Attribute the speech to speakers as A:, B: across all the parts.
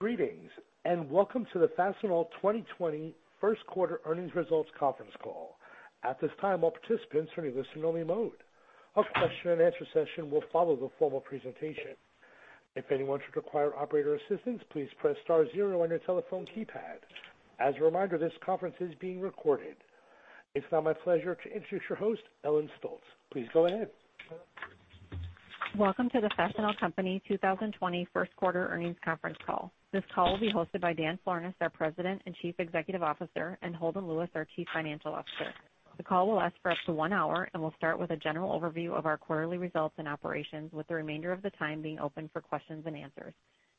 A: Greetings, and welcome to the Fastenal 2020 first quarter earnings results conference call. At this time, all participants are in listen only mode. A question-and-answer session will follow the formal presentation. If anyone should require operator assistance, please press star zero on your telephone keypad. As a reminder, this conference is being recorded. It is now my pleasure to introduce your host, Ellen Stolts. Please go ahead, Ellen.
B: Welcome to the Fastenal Company 2020 first quarter earnings conference call. This call will be hosted by Dan Florness, our President and Chief Executive Officer, and Holden Lewis, our Chief Financial Officer. The call will last for up to one hour and will start with a general overview of our quarterly results and operations, with the remainder of the time being open for questions and answers.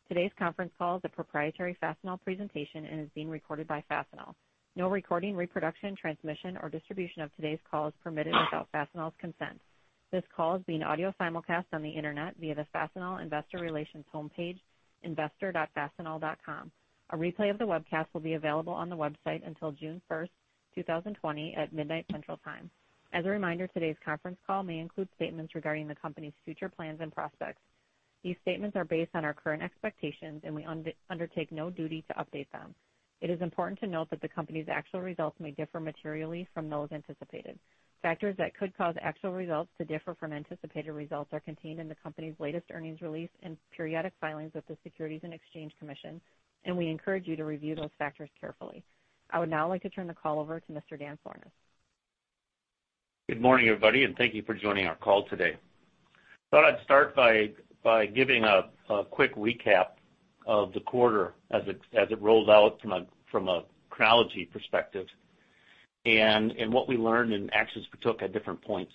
B: Today's conference call is a proprietary Fastenal presentation and is being recorded by Fastenal. No recording, reproduction, transmission, or distribution of today's call is permitted without Fastenal's consent. This call is being audio simulcast on the internet via the Fastenal investor relations homepage, investor.fastenal.com. A replay of the webcast will be available on the website until June 1st, 2020 at midnight, Central Time. As a reminder, today's conference call may include statements regarding the company's future plans and prospects. These statements are based on our current expectations, and we undertake no duty to update them. It is important to note that the company's actual results may differ materially from those anticipated. Factors that could cause actual results to differ from anticipated results are contained in the company's latest earnings release and periodic filings with the Securities and Exchange Commission, and we encourage you to review those factors carefully. I would now like to turn the call over to Mr. Dan Florness.
C: Good morning, everybody, and thank you for joining our call today. Thought I'd start by giving a quick recap of the quarter as it rolls out from a chronology perspective and what we learned and actions we took at different points.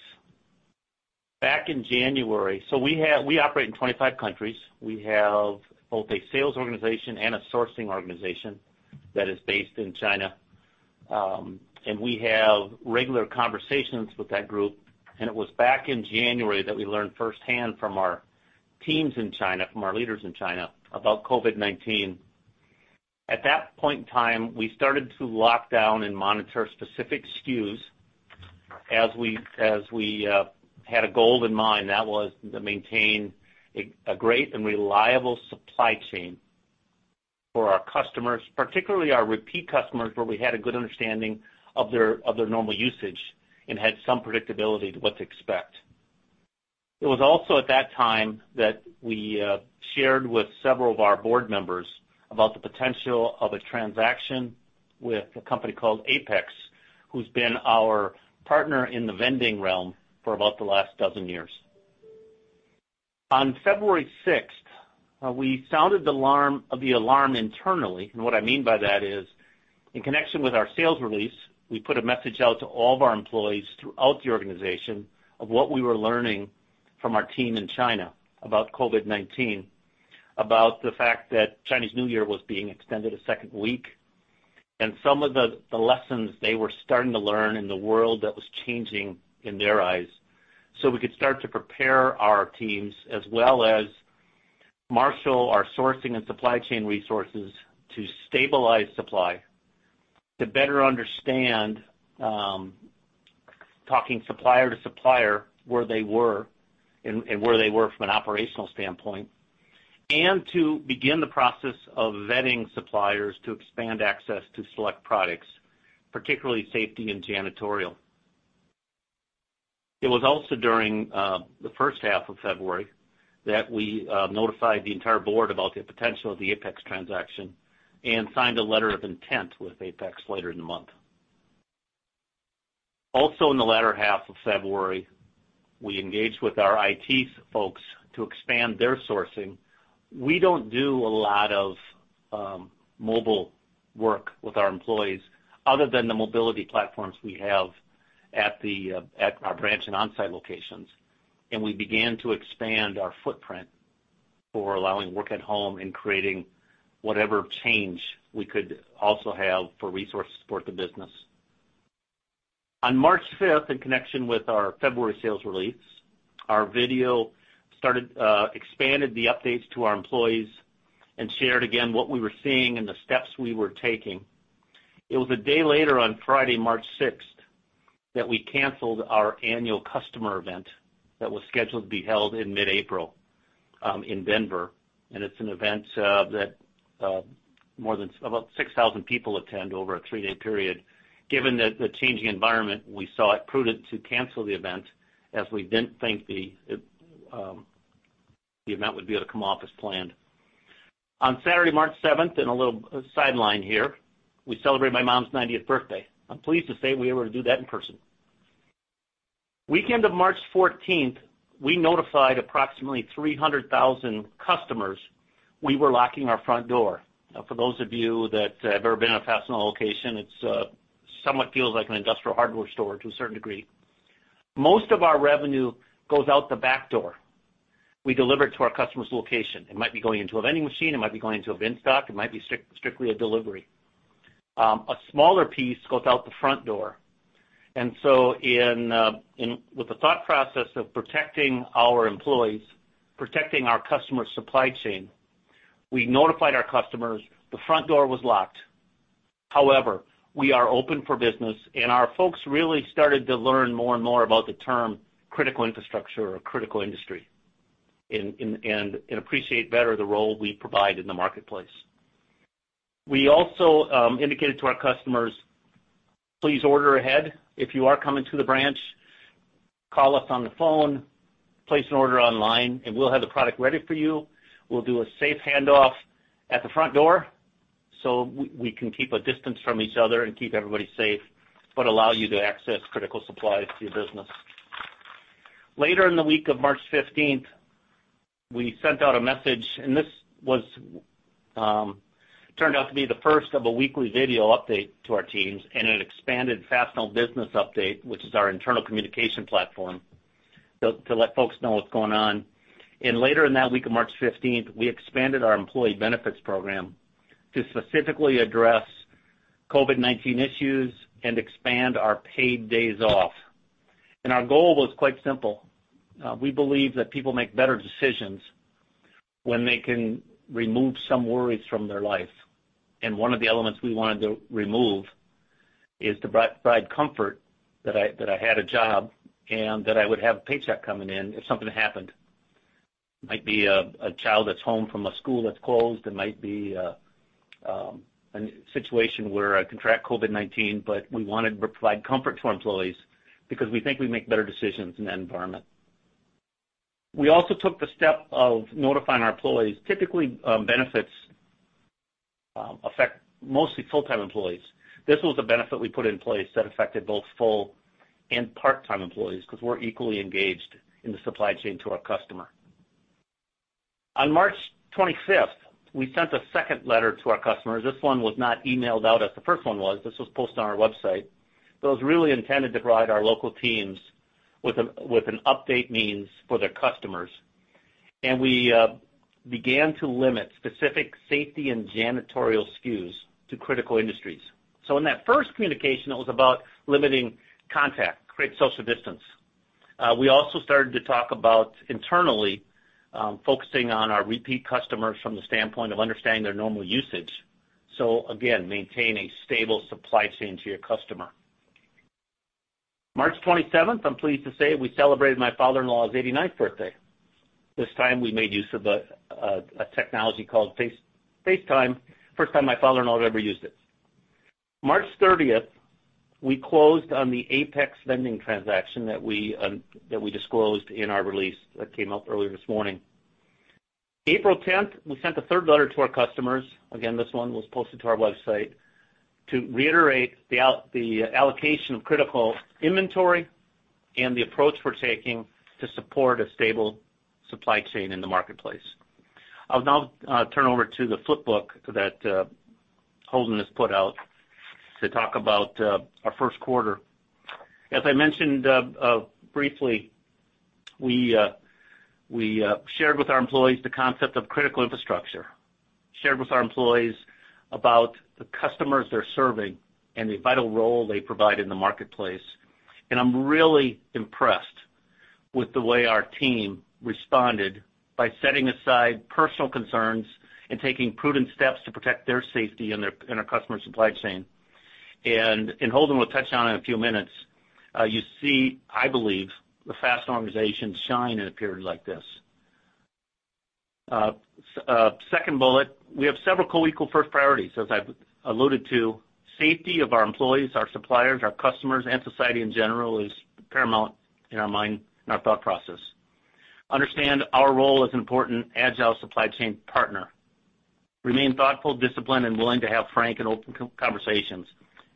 C: Back in January, we operate in 25 countries. We have both a sales organization and a sourcing organization that is based in China. We have regular conversations with that group. It was back in January that we learned firsthand from our teams in China, from our leaders in China, about COVID-19. At that point in time, we started to lock down and monitor specific SKUs as we had a goal in mind. That was to maintain a great and reliable supply chain for our customers, particularly our repeat customers, where we had a good understanding of their normal usage and had some predictability to what to expect. It was also at that time that we shared with several of our board members about the potential of a transaction with a company called Apex, who's been our partner in the vending realm for about the last dozen years. On February 6th, we sounded the alarm internally. What I mean by that is, in connection with our sales release, we put a message out to all of our employees throughout the organization of what we were learning from our team in China about COVID-19, about the fact that Chinese New Year was being extended a second week, and some of the lessons they were starting to learn and the world that was changing in their eyes, so we could start to prepare our teams as well as marshal our sourcing and supply chain resources to stabilize supply, to better understand, talking supplier to supplier, where they were, and where they were from an operational standpoint, and to begin the process of vetting suppliers to expand access to select products, particularly safety and janitorial. It was also during the first half of February that we notified the entire board about the potential of the Apex transaction and signed a letter of intent with Apex later in the month. In the latter half of February, we engaged with our IT folks to expand their sourcing. We don't do a lot of mobile work with our employees other than the mobility platforms we have at our branch and on-site locations. We began to expand our footprint for allowing work at home and creating whatever change we could also have for resources to support the business. On March 5th, in connection with our February sales release, our video expanded the updates to our employees and shared again what we were seeing and the steps we were taking. It was a day later on Friday, March 6th, that we canceled our annual customer event that was scheduled to be held in mid-April, in Denver. It's an event that about 6,000 people attend over a three-day period. Given the changing environment, we saw it prudent to cancel the event, as we didn't think the event would be able to come off as planned. On Saturday, March 7th, and a little sideline here, we celebrated my mom's 90th birthday. I'm pleased to say we were able to do that in person. Weekend of March 14th, we notified approximately 300,000 customers we were locking our front door. For those of you that have ever been in a Fastenal location, it somewhat feels like an industrial hardware store to a certain degree. Most of our revenue goes out the back door. We deliver it to our customer's location. It might be going into a vending machine, it might be going into a bin stock, it might be strictly a delivery. A smaller piece goes out the front door. With the thought process of protecting our employees, protecting our customer supply chain, we notified our customers the front door was locked. However, we are open for business, and our folks really started to learn more and more about the term critical infrastructure or critical industry, and appreciate better the role we provide in the marketplace. We also indicated to our customers, "Please order ahead. If you are coming to the branch, call us on the phone, place an order online, and we'll have the product ready for you. We'll do a safe handoff at the front door so we can keep a distance from each other and keep everybody safe, but allow you to access critical supplies to your business. Later in the week of March 15th, we sent out a message. This turned out to be the first of a weekly video update to our teams and an expanded Fastenal business update, which is our internal communication platform, to let folks know what's going on. Later in that week of March 15th, we expanded our employee benefits program to specifically address COVID-19 issues and expand our paid days off. Our goal was quite simple. We believe that people make better decisions when they can remove some worries from their life. One of the elements we wanted to remove is to provide comfort that I had a job, and that I would have a paycheck coming in if something happened. Might be a child that's home from a school that's closed, it might be a situation where I contract COVID-19, but we wanted to provide comfort to our employees because we think we make better decisions in that environment. We also took the step of notifying our employees. Typically, benefits affect mostly full-time employees. This was a benefit we put in place that affected both full- and part-time employees because we're equally engaged in the supply chain to our customer. On March 25th, we sent a second letter to our customers. This one was not emailed out as the first one was. This was posted on our website. It was really intended to provide our local teams with an update means for their customers. We began to limit specific safety and janitorial SKUs to critical industries. In that first communication, it was about limiting contact, create social distance. We also started to talk about internally, focusing on our repeat customers from the standpoint of understanding their normal usage. Again, maintain a stable supply chain to your customer. March 27th, I'm pleased to say, we celebrated my father-in-law's 89th birthday. This time, we made use of a technology called FaceTime. First time my father-in-law had ever used it. March 30th, we closed on the Apex vending transaction that we disclosed in our release that came out earlier this morning. April 10th, we sent a third letter to our customers, again, this one was posted to our website, to reiterate the allocation of critical inventory and the approach we're taking to support a stable supply chain in the marketplace. I'll now turn over to the flip book that Holden has put out to talk about our first quarter. As I mentioned briefly, we shared with our employees the concept of critical infrastructure. We shared with our employees about the customers they're serving and the vital role they provide in the marketplace. I'm really impressed with the way our team responded by setting aside personal concerns and taking prudent steps to protect their safety and our customer supply chain. Holden will touch on it in a few minutes. You see, I believe, the Fastenal organization shine in a period like this. Second bullet. We have several co-equal first priorities. As I've alluded to, safety of our employees, our suppliers, our customers, and society, in general, is paramount in our mind and our thought process. Understand our role as an important agile supply chain partner. Remain thoughtful, disciplined, and willing to have frank and open conversations.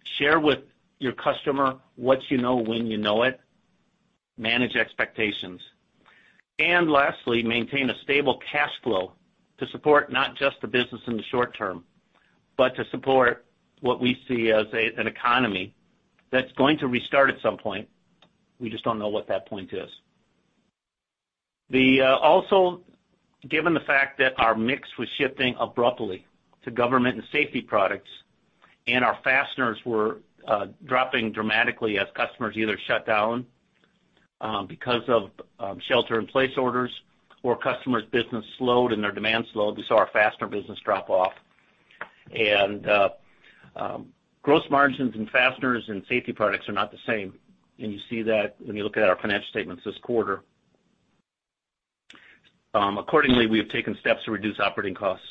C: Share with your customer what you know, when you know it. Manage expectations. Lastly, maintain a stable cash flow to support not just the business in the short term, but to support what we see as an economy that's going to restart at some point. We just don't know what that point is. Given the fact that our mix was shifting abruptly to government and safety products and our fasteners were dropping dramatically as customers either shut down because of shelter in place orders or customers' business slowed and their demand slowed, we saw our fastener business drop off. Gross margins in fasteners and safety products are not the same, and you see that when you look at our financial statements this quarter. Accordingly, we have taken steps to reduce operating costs.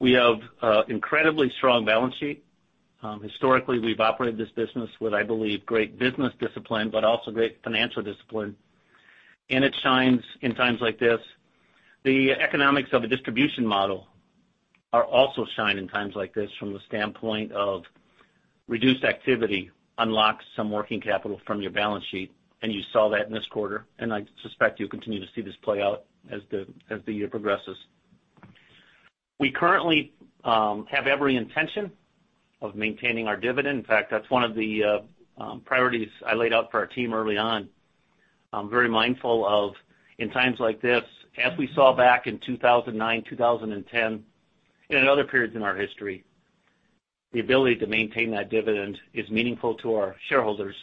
C: We have an incredibly strong balance sheet. Historically, we've operated this business with, I believe, great business discipline, but also great financial discipline, and it shines in times like this. The economics of a distribution model also shine in times like this from the standpoint of reduced activity, unlock some working capital from your balance sheet, and you saw that in this quarter, and I suspect you'll continue to see this play out as the year progresses. We currently have every intention of maintaining our dividend. In fact, that's one of the priorities I laid out for our team early on. I'm very mindful of, in times like this, as we saw back in 2009, 2010, and in other periods in our history, the ability to maintain that dividend is meaningful to our shareholders.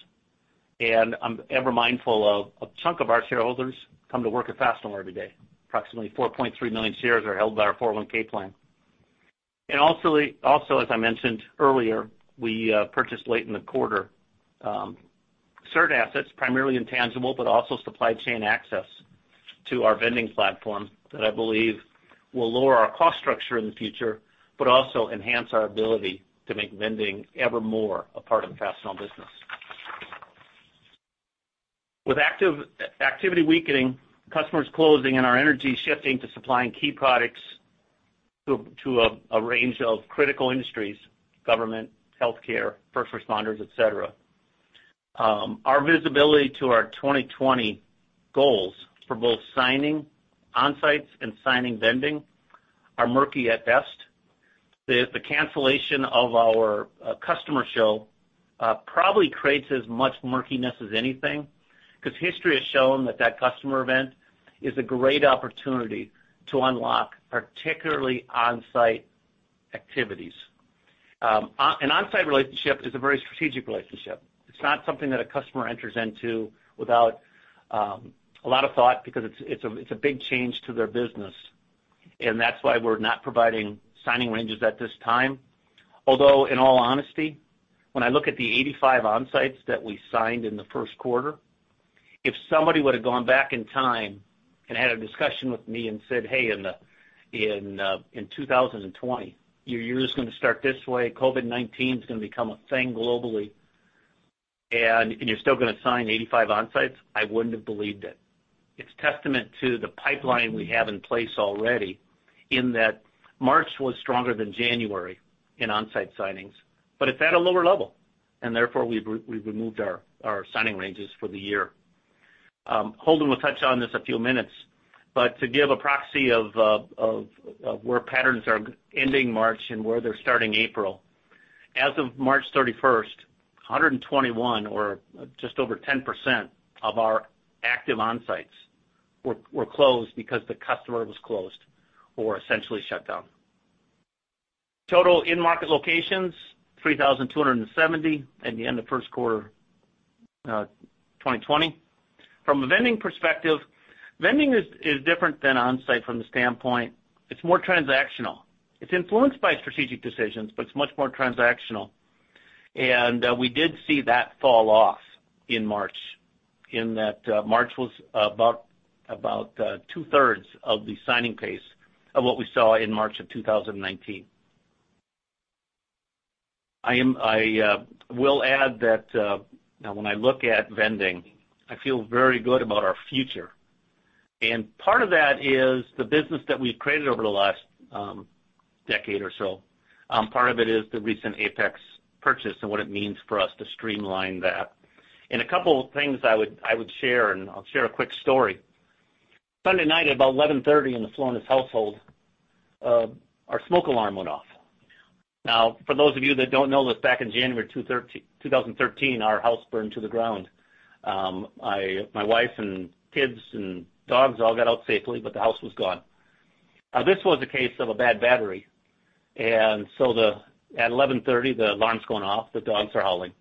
C: I'm ever mindful of a chunk of our shareholders come to work at Fastenal every day. Approximately 4.3 million shares are held by our 401(k) plan. Also, as I mentioned earlier, we purchased late in the quarter, certain assets, primarily intangible, but also supply chain access to our vending platform that I believe will lower our cost structure in the future, but also enhance our ability to make vending ever more a part of Fastenal business. With activity weakening, customers closing, and our energy shifting to supplying key products to a range of critical industries, government, healthcare, first responders, et cetera. Our visibility to our 2020 goals for both signing onsites and signing vending are murky at best. The cancellation of our customer show probably creates as much murkiness as anything, because history has shown that that customer event is a great opportunity to unlock, particularly onsite activities. An onsite relationship is a very strategic relationship. It is not something that a customer enters into without a lot of thought because it is a big change to their business, and that is why we are not providing signing ranges at this time. Although, in all honesty, when I look at the 85 onsites that we signed in the first quarter, if somebody would have gone back in time and had a discussion with me and said, "Hey, in 2020, your year is going to start this way. COVID-19 is going to become a thing globally, and you're still going to sign 85 onsites? I wouldn't have believed it. It's testament to the pipeline we have in place already in that March was stronger than January in onsite signings. It's at a lower level, and therefore we've removed our signing ranges for the year. Holden will touch on this a few minutes, but to give a proxy of where patterns are ending March and where they're starting April, as of March 31st, 121 or just over 10% of our active onsites were closed because the customer was closed or essentially shut down. Total in-market locations, 3,270 at the end of first quarter 2020. From a vending perspective, vending is different than onsite from the standpoint, it's more transactional. It's influenced by strategic decisions, but it's much more transactional. We did see that fall off in March, in that March was about two-thirds of the signing pace of what we saw in March of 2019. I will add that when I look at vending, I feel very good about our future, and part of that is the business that we've created over the last decade or so. Part of it is the recent Apex purchase and what it means for us to streamline that. A couple of things I would share, and I'll share a quick story. Sunday night at about 11:30 in the Florness household, our smoke alarm went off. Now, for those of you that don't know this, back in January 2013, our house burned to the ground. My wife and kids and dogs all got out safely, but the house was gone. This was a case of a bad battery. At 11:30 P.M., the alarm's going off, the dogs are howling.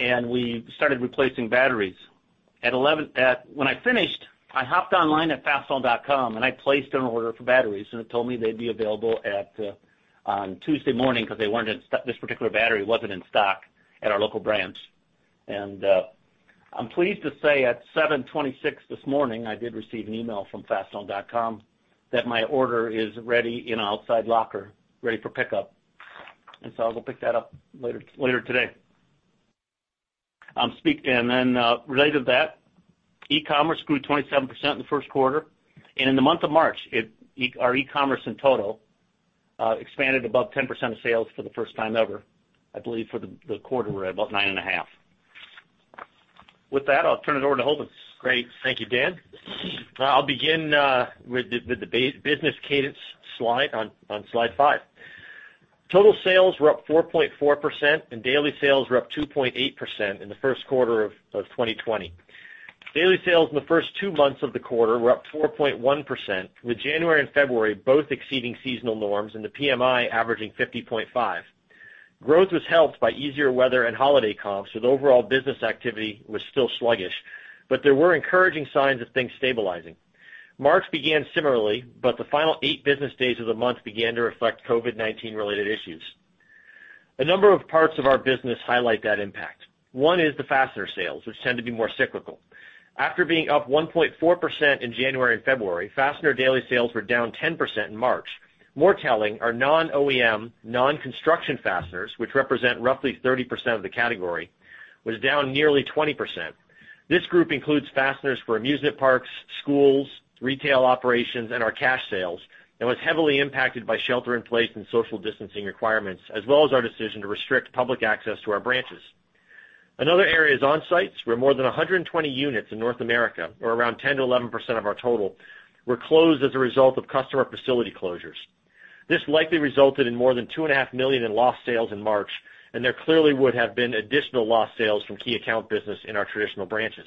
C: We started replacing batteries. When I finished, I hopped online at fastenal.com, I placed an order for batteries, it told me they'd be available on Tuesday morning because this particular battery wasn't in stock at our local branch. I'm pleased to say at 7:26 A.M., I did receive an email from fastenal.com that my order is ready in an outside locker, ready for pickup. I'll go pick that up later today. Related to that, e-commerce grew 27% in the first quarter. In the month of March, our e-commerce in total expanded above 10% of sales for the first time ever. I believe for the quarter, we're at about 9.5%. With that, I'll turn it over to Holden.
D: Great. Thank you, Dan. I'll begin with the business cadence slide on slide five. Total sales were up 4.4%, and daily sales were up 2.8% in the first quarter of 2020. Daily sales in the first two months of the quarter were up 4.1%, with January and February both exceeding seasonal norms and the PMI averaging 50.5. Growth was helped by easier weather and holiday comps, so the overall business activity was still sluggish. There were encouraging signs of things stabilizing. March began similarly, but the final eight business days of the month began to reflect COVID-19 related issues. A number of parts of our business highlight that impact. One is the fastener sales, which tend to be more cyclical. After being up 1.4% in January and February, fastener daily sales were down 10% in March. More telling, our non-OEM, non-construction fasteners, which represent roughly 30% of the category, was down nearly 20%. This group includes fasteners for amusement parks, schools, retail operations, and our cash sales, and was heavily impacted by shelter-in-place and social distancing requirements, as well as our decision to restrict public access to our branches. Another area is onsites, where more than 120 units in North America, or around 10%-11% of our total, were closed as a result of customer facility closures. This likely resulted in more than two and a half million in lost sales in March, and there clearly would have been additional lost sales from key account business in our traditional branches.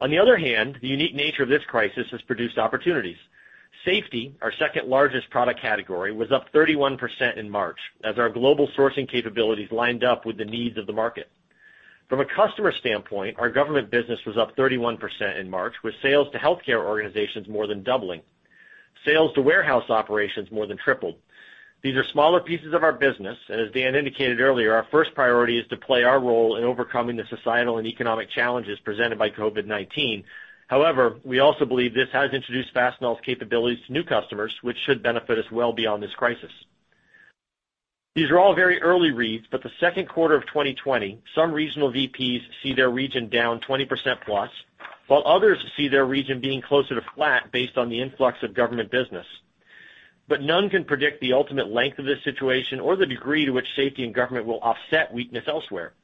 D: On the other hand, the unique nature of this crisis has produced opportunities. Safety, our second-largest product category, was up 31% in March as our global sourcing capabilities lined up with the needs of the market. From a customer standpoint, our government business was up 31% in March, with sales to healthcare organizations more than doubling. Sales to warehouse operations more than tripled. These are smaller pieces of our business. As Dan indicated earlier, our first priority is to play our role in overcoming the societal and economic challenges presented by COVID-19. We also believe this has introduced Fastenal's capabilities to new customers, which should benefit us well beyond this crisis. These are all very early reads. The second quarter of 2020, some regional VPs see their region down 20% plus, while others see their region being closer to flat based on the influx of government business. None can predict the ultimate length of this situation or the degree to which safety and government will offset weakness elsewhere.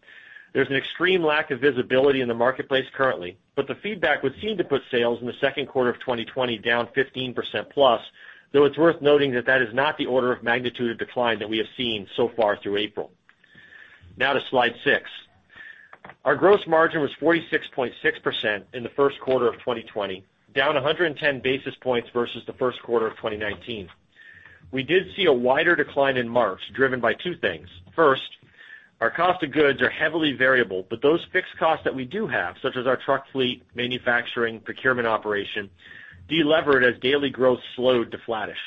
D: There's an extreme lack of visibility in the marketplace currently. The feedback would seem to put sales in the second quarter of 2020 down 15%+, though it's worth noting that that is not the order of magnitude of decline that we have seen so far through April. Now to slide six. Our gross margin was 46.6% in the first quarter of 2020, down 110 basis points versus the first quarter of 2019. We did see a wider decline in March, driven by two things. First, our cost of goods are heavily variable, but those fixed costs that we do have, such as our truck fleet, manufacturing, procurement operation, delevered as daily growth slowed to flattish.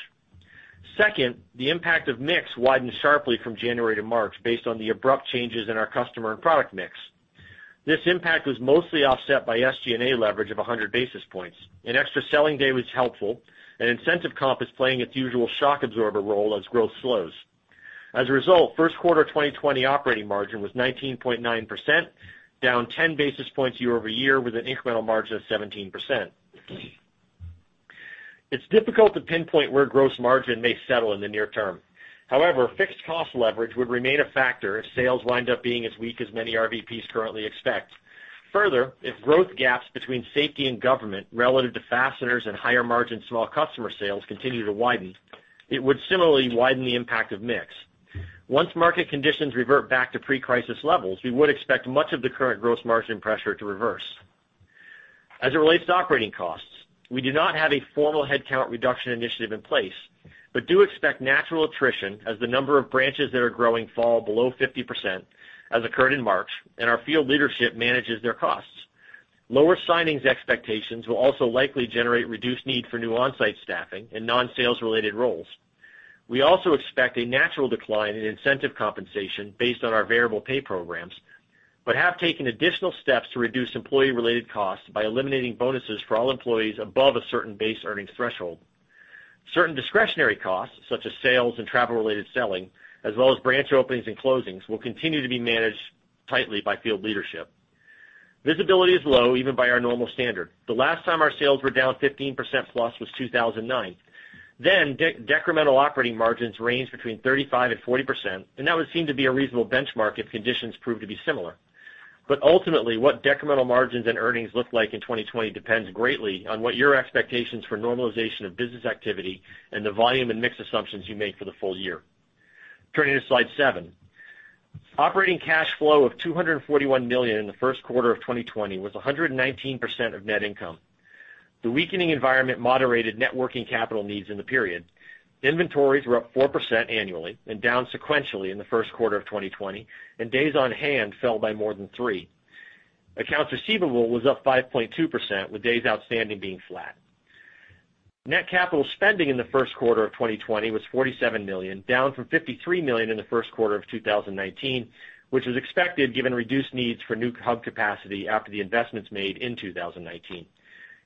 D: Second, the impact of mix widened sharply from January to March based on the abrupt changes in our customer and product mix. This impact was mostly offset by SG&A leverage of 100 basis points. An extra selling day was helpful, and incentive comp is playing its usual shock absorber role as growth slows. As a result, first quarter 2020 operating margin was 19.9%, down 10 basis points year-over-year with an incremental margin of 17%. It's difficult to pinpoint where gross margin may settle in the near term. However, fixed cost leverage would remain a factor if sales wind up being as weak as many RVPs currently expect. Further, if growth gaps between safety and government relative to fasteners and higher margin small customer sales continue to widen, it would similarly widen the impact of mix. Once market conditions revert back to pre-crisis levels, we would expect much of the current gross margin pressure to reverse. As it relates to operating costs, we do not have a formal headcount reduction initiative in place, but do expect natural attrition as the number of branches that are growing fall below 50%, as occurred in March, and our field leadership manages their costs. Lower signings expectations will also likely generate reduced need for new onsite staffing and non-sales related roles. We also expect a natural decline in incentive compensation based on our variable pay programs, but have taken additional steps to reduce employee-related costs by eliminating bonuses for all employees above a certain base earnings threshold. Certain discretionary costs, such as sales and travel-related selling, as well as branch openings and closings, will continue to be managed tightly by field leadership. Visibility is low even by our normal standard. The last time our sales were down 15%+ was 2009. Decremental operating margins ranged between 35% and 40%, and that would seem to be a reasonable benchmark if conditions prove to be similar. Ultimately, what decremental margins and earnings look like in 2020 depends greatly on what your expectations for normalization of business activity and the volume and mix assumptions you make for the full year. Turning to slide seven. Operating cash flow of $241 million in the first quarter of 2020 was 119% of net income. The weakening environment moderated net working capital needs in the period. Inventories were up 4% annually and down sequentially in the first quarter of 2020, and days on hand fell by more than three. Accounts receivable was up 5.2%, with days outstanding being flat. Net capital spending in the first quarter of 2020 was $47 million, down from $53 million in the first quarter of 2019, which was expected given reduced needs for new hub capacity after the investments made in 2019.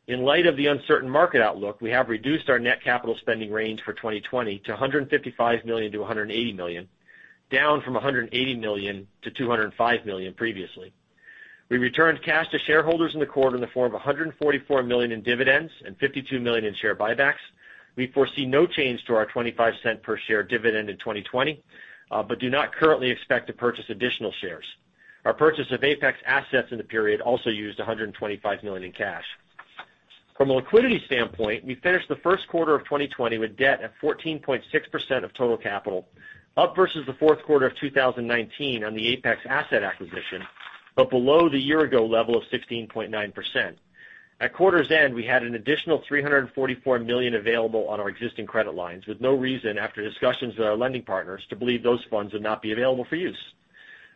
D: In light of the uncertain market outlook, we have reduced our net capital spending range for 2020 to $155 million-$180 million, down from $180 million-$205 million previously. We returned cash to shareholders in the quarter in the form of $144 million in dividends and $52 million in share buybacks. We foresee no change to our $0.25 per share dividend in 2020, but do not currently expect to purchase additional shares. Our purchase of Apex assets in the period also used $125 million in cash. From a liquidity standpoint, we finished the first quarter of 2020 with debt at 14.6% of total capital, up versus the fourth quarter of 2019 on the Apex asset acquisition, below the year-ago level of 16.9%. At quarter's end, we had an additional $344 million available on our existing credit lines, with no reason after discussions with our lending partners to believe those funds would not be available for use.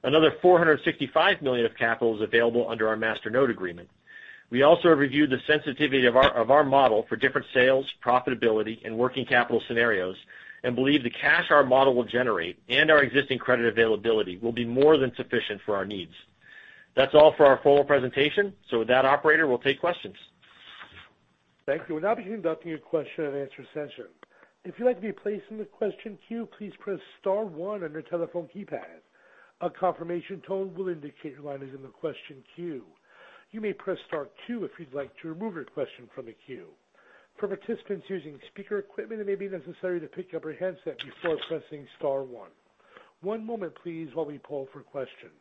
D: Another $465 million of capital is available under our master note agreement. We also have reviewed the sensitivity of our model for different sales, profitability, and working capital scenarios and believe the cash our model will generate and our existing credit availability will be more than sufficient for our needs. That's all for our formal presentation. With that, operator, we'll take questions.
A: Thank you. We'll now be conducting a question-and-answer session. If you'd like to be placed in the question queue, please press star one on your telephone keypad. A confirmation tone will indicate your line is in the question queue. You may press star two if you'd like to remove your question from the queue. For participants using speaker equipment, it may be necessary to pick up your handset before pressing star one. One moment please while we poll for questions.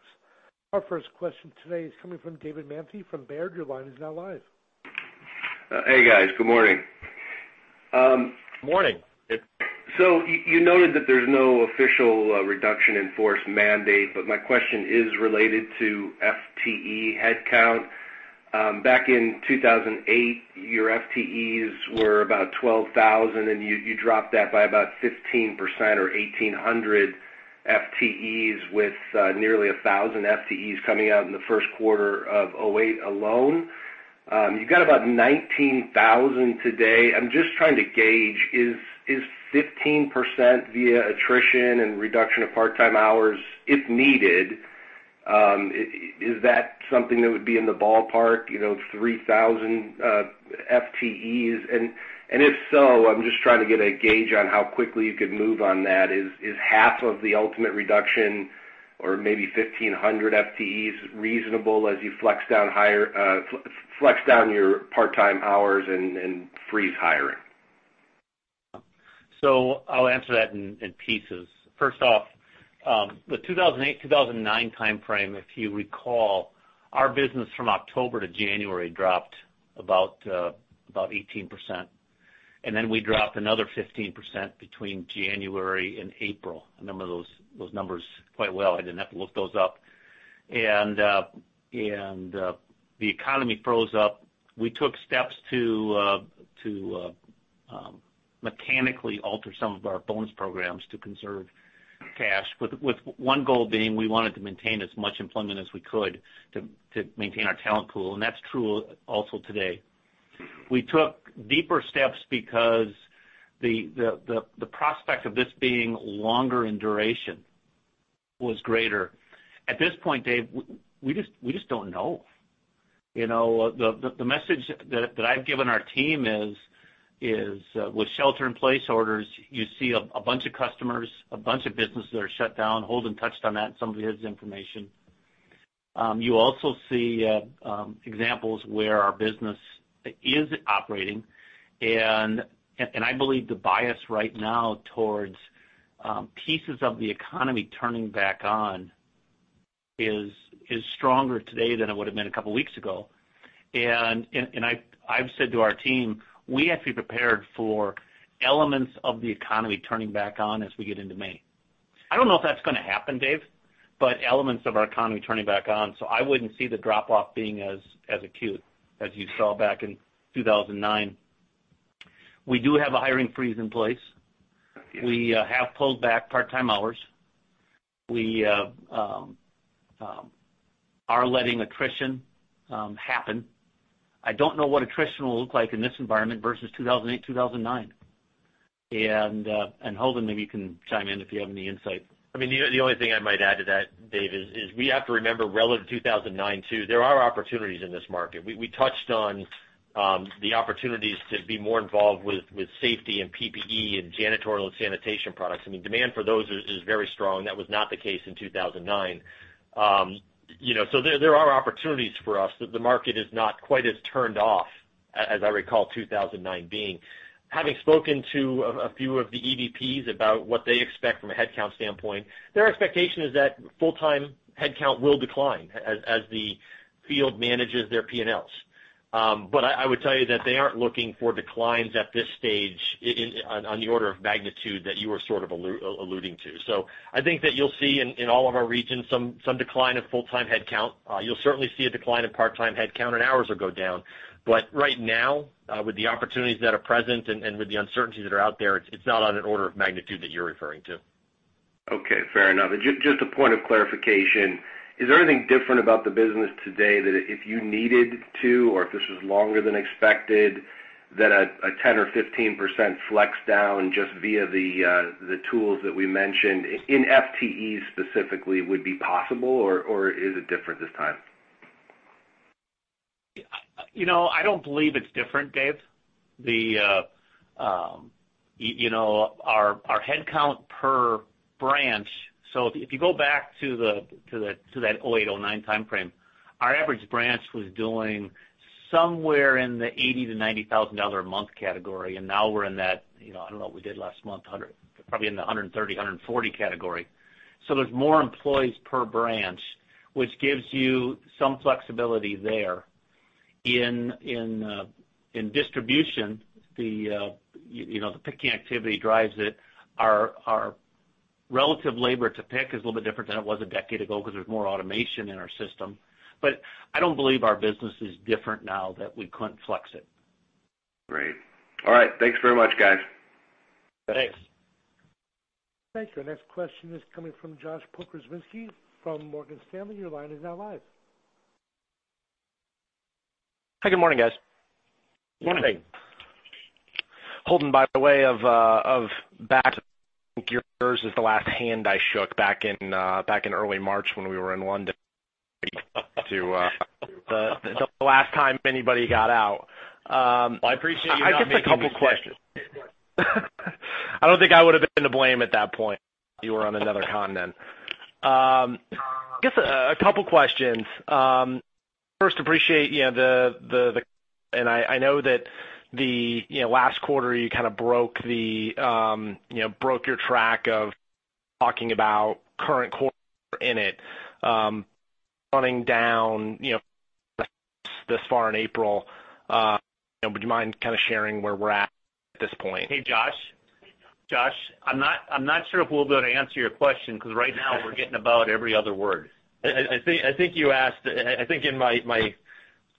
A: Our first question today is coming from David Manthey from Baird. Your line is now live.
E: Hey guys. Good morning.
C: Morning.
E: You noted that there's no official reduction in force mandate, but my question is related to FTE headcount. Back in 2008, your FTEs were about 12,000, and you dropped that by about 15% or 1,800 FTEs, with nearly 1,000 FTEs coming out in the first quarter of 2008 alone. You've got about 19,000 today. I'm just trying to gauge, is 15% via attrition and reduction of part-time hours if needed, is that something that would be in the ballpark, 3,000 FTEs? If so, I'm just trying to get a gauge on how quickly you could move on that. Is half of the ultimate reduction or maybe 1,500 FTEs reasonable as you flex down your part-time hours and freeze hiring?
C: I'll answer that in pieces. First off, the 2008, 2009 timeframe, if you recall, our business from October to January dropped about 18%, and then we dropped another 15% between January and April. I remember those numbers quite well. I didn't have to look those up. The economy froze up. We took steps to mechanically alter some of our bonus programs to conserve cash, with one goal being we wanted to maintain as much employment as we could to maintain our talent pool. That's true also today. We took deeper steps because the prospect of this being longer in duration was greater. At this point, Dave, we just don't know. The message that I've given our team is, with shelter-in-place orders, you see a bunch of customers, a bunch of businesses that are shut down. Holden touched on that in some of his information. You also see examples where our business is operating, and I believe the bias right now towards pieces of the economy turning back on is stronger today than it would've been a couple of weeks ago. I've said to our team, we have to be prepared for elements of the economy turning back on as we get into May. I don't know if that's going to happen, Dave, but elements of our economy turning back on. I wouldn't see the drop-off being as acute as you saw back in 2009. We do have a hiring freeze in place.
E: Okay.
C: We have pulled back part-time hours. We are letting attrition happen. I don't know what attrition will look like in this environment versus 2008, 2009. Holden, maybe you can chime in if you have any insight.
D: The only thing I might add to that, Dave, is we have to remember relative 2009 too, there are opportunities in this market. We touched on the opportunities to be more involved with safety and PPE and janitorial and sanitation products. Demand for those is very strong. That was not the case in 2009. There are opportunities for us. The market is not quite as turned off as I recall 2009 being. Having spoken to a few of the EVPs about what they expect from a headcount standpoint, their expectation is that full-time headcount will decline as the field manages their P&Ls. I would tell you that they aren't looking for declines at this stage on the order of magnitude that you were sort of alluding to. I think that you'll see in all of our regions some decline of full-time headcount. You'll certainly see a decline in part-time headcount and hours will go down. Right now, with the opportunities that are present and with the uncertainties that are out there, it's not on an order of magnitude that you're referring to.
E: Okay. Fair enough. Just a point of clarification, is there anything different about the business today that if you needed to, or if this was longer than expected, that a 10% or 15% flex down just via the tools that we mentioned in FTE specifically would be possible? Is it different this time?
C: I don't believe it's different, Dave. Our headcount per branch, so if you go back to that 2008, 2009 timeframe, our average branch was doing somewhere in the $80,000-$90,000 a month category, and now we're in that, I don't know what we did last month, probably in the $130,000-$140,000 category. There's more employees per branch, which gives you some flexibility there. In distribution, the picking activity drives it. Our relative labor to pick is a little bit different than it was a decade ago because there's more automation in our system. I don't believe our business is different now that we couldn't flex it.
E: Great. All right. Thanks very much, guys.
C: Thanks.
A: Thank you. Our next question is coming from Josh Pokrzywinski from Morgan Stanley. Your line is now live.
F: Hi, good morning, guys.
C: Morning.
F: Holden, by the way of bat, I think yours is the last hand I shook back in early March when we were in London to the last time anybody got out.
D: Well, I appreciate you not making me sick.
F: I guess a couple questions. I don't think I would've been to blame at that point. You were on another continent. I guess a couple questions. First, appreciate the, and I know that the last quarter you kind of broke your track of talking about current quarter in it, running down this far in April. Would you mind sharing where we're at this point?
C: Hey, Josh. Josh, I'm not sure if we'll be able to answer your question, because right now we're getting about every other word.
D: I think in my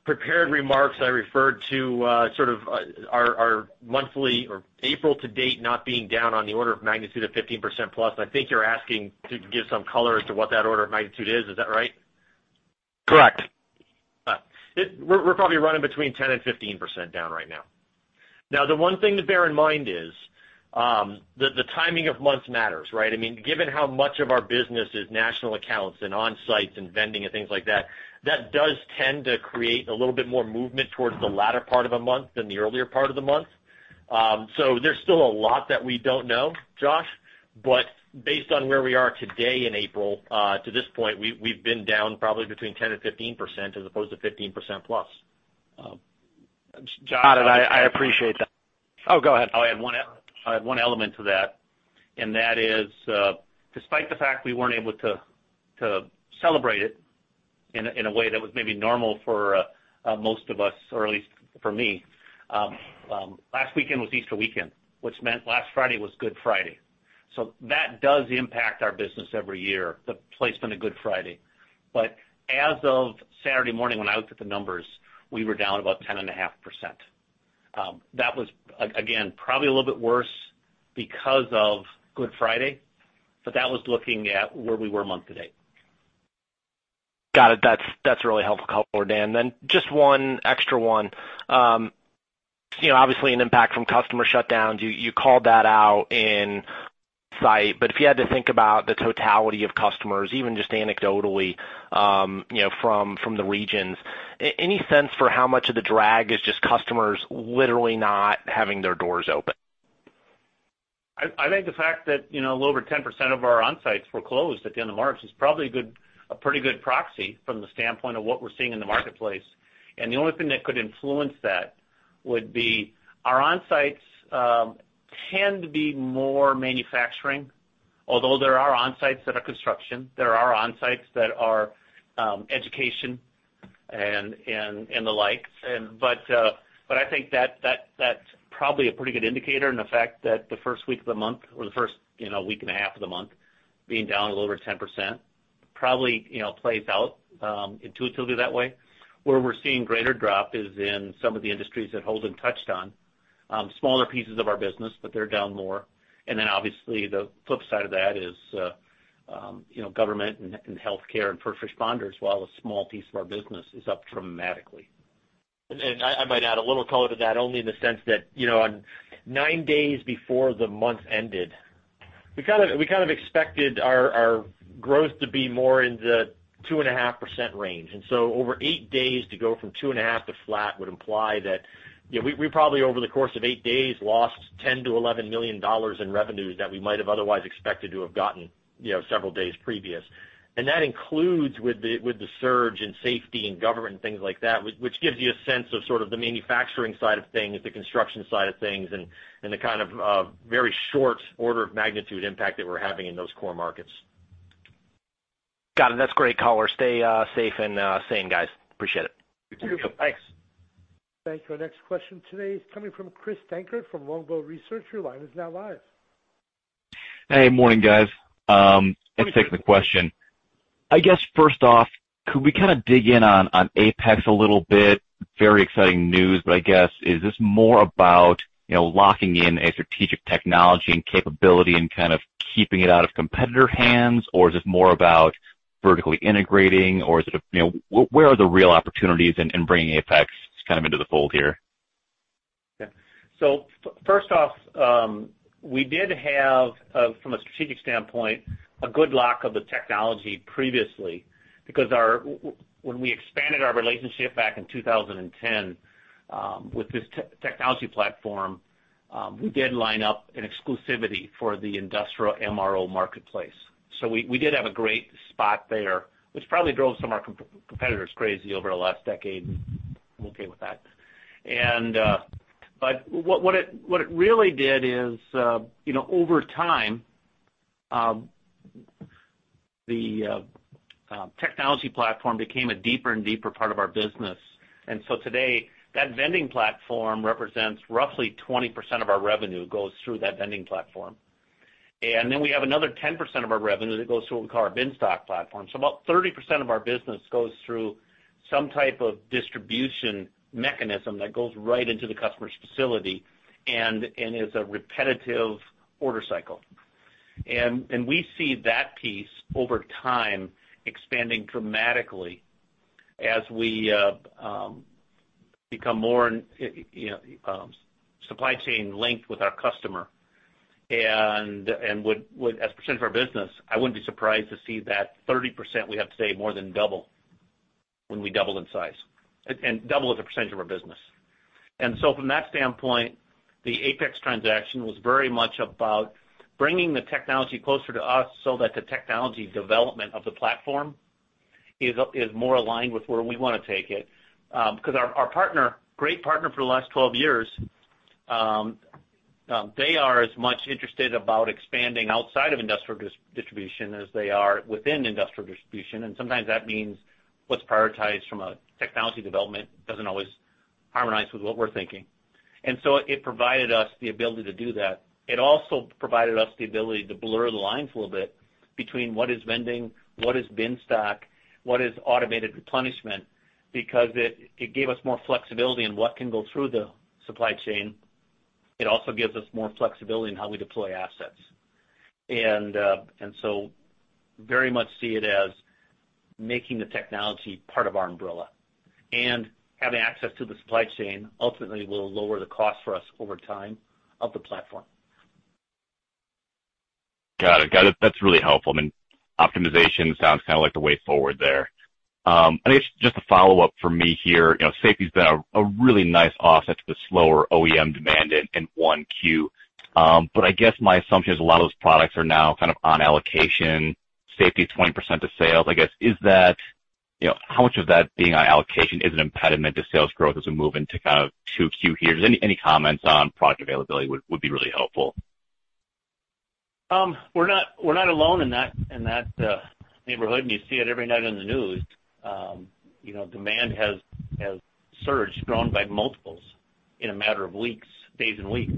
D: prepared remarks, I referred to our monthly or April to date not being down on the order of magnitude of 15%+. I think you're asking to give some color as to what that order of magnitude is. Is that right?
F: Correct.
D: We're probably running between 10%-15% down right now. The one thing to bear in mind is, the timing of months matters, right? Given how much of our business is national accounts and on-sites and vending and things like that does tend to create a little bit more movement towards the latter part of a month than the earlier part of the month. There's still a lot that we don't know, Josh. Based on where we are today in April, to this point, we've been down probably between 10%-15% as opposed to 15%+.
F: Got it. I appreciate that. Oh, go ahead.
C: I'll add one element to that, and that is, despite the fact we weren't able to celebrate it in a way that was maybe normal for most of us, or at least for me, last weekend was Easter weekend, which meant last Friday was Good Friday. As of Saturday morning, when I looked at the numbers, we were down about 10.5%. That was, again, probably a little bit worse because of Good Friday, but that was looking at where we were month to date.
F: Got it. That's really helpful color, Dan. Just one extra one. Obviously an impact from customer shutdowns. You called that out in site, if you had to think about the totality of customers, even just anecdotally from the regions, any sense for how much of the drag is just customers literally not having their doors open?
C: I think the fact that a little over 10% of our on-sites were closed at the end of March is probably a pretty good proxy from the standpoint of what we're seeing in the marketplace. The only thing that could influence that would be our on-sites tend to be more manufacturing, although there are on-sites that are construction, there are on-sites that are education and the like. I think that's probably a pretty good indicator. The fact that the first week of the month or the first week and a half of the month being down a little over 10%, probably plays out intuitively that way. Where we're seeing greater drop is in some of the industries that Holden touched on. Smaller pieces of our business, they're down more. Obviously the flip side of that is government and healthcare and first responders, while a small piece of our business, is up dramatically.
D: I might add a little color to that only in the sense that on nine days before the month ended, we kind of expected our growth to be more in the 2.5% range. Over eight days to go from two and a half to flat would imply that we probably, over the course of eight days, lost $10 million-$11 million in revenues that we might have otherwise expected to have gotten several days previous. That includes with the surge in safety and government and things like that, which gives you a sense of sort of the manufacturing side of things, the construction side of things, and the kind of very short order of magnitude impact that we're having in those core markets.
F: Got it. That's great color. Stay safe and sane, guys. Appreciate it.
C: You too. Thanks.
D: You too.
A: Thank you. Our next question today is coming from Chris Dankert from Longbow Research. Your line is now live.
G: Hey, morning, guys. Thanks for taking the question. I guess, first off, could we kind of dig in on Apex a little bit? Very exciting news, but I guess, is this more about locking in a strategic technology and capability and kind of keeping it out of competitor hands? Is this more about vertically integrating? Where are the real opportunities in bringing Apex kind of into the fold here?
C: First off, we did have, from a strategic standpoint, a good lock of the technology previously, because when we expanded our relationship back in 2010 with this technology platform, we did line up an exclusivity for the industrial MRO marketplace. We did have a great spot there, which probably drove some of our competitors crazy over the last decade, and I'm okay with that. What it really did is, over time, the technology platform became a deeper and deeper part of our business. Today, that vending platform represents roughly 20% of our revenue goes through that vending platform. We have another 10% of our revenue that goes through what we call our bin stock platform. About 30% of our business goes through some type of distribution mechanism that goes right into the customer's facility and is a repetitive order cycle. We see that piece, over time, expanding dramatically as we become more supply chain linked with our customer. As a percent of our business, I wouldn't be surprised to see that 30% we have today more than double when we double in size, and double as a percentage of our business. From that standpoint, the Apex transaction was very much about bringing the technology closer to us so that the technology development of the platform is more aligned with where we want to take it. Because our partner, great partner for the last 12 years. They are as much interested about expanding outside of industrial distribution as they are within industrial distribution. Sometimes that means what's prioritized from a technology development doesn't always harmonize with what we're thinking. It provided us the ability to do that. It also provided us the ability to blur the lines a little bit between what is vending, what is bin stock, what is automated replenishment, because it gave us more flexibility in what can go through the supply chain. It also gives us more flexibility in how we deploy assets. Very much see it as making the technology part of our umbrella. Having access to the supply chain ultimately will lower the cost for us over time of the platform.
G: Got it. That's really helpful. Optimization sounds kind of like the way forward there. I guess just a follow-up from me here. Safety's been a really nice offset to the slower OEM demand in 1Q. I guess my assumption is a lot of those products are now kind of on allocation. Safety is 20% of sales. I guess, how much of that being on allocation is an impediment to sales growth as we move into kind of 2Q here? Any comments on product availability would be really helpful.
C: We're not alone in that neighborhood, and you see it every night on the news. Demand has surged, grown by multiples in a matter of weeks, days, and weeks.